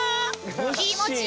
気持ちい！